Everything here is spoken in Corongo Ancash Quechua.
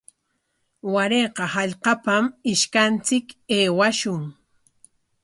Warayqa hallqapam ishkanchik aywashun.